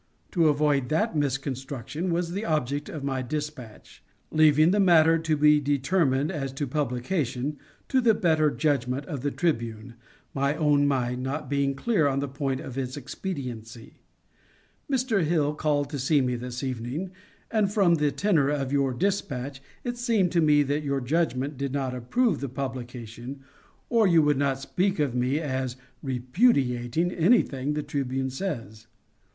To avoid that misconstruction was the object of my dispatch leaving the matter to be determined as to publication to the better judgment of the Tribune, my own mind not being clear on the point of its expediency. Mr. Hill called to see me this evening, and from the tenor of your dispatch it seemed to me that your judgment did not approve the publication, or you would not speak of me as "repudiating" anything the Tribune says.